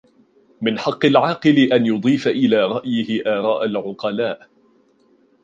مِنْ حَقِّ الْعَاقِلِ أَنْ يُضِيفَ إلَى رَأْيِهِ آرَاءَ الْعُقَلَاءِ